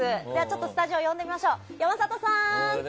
スタジオ呼んでみましょう山里さん！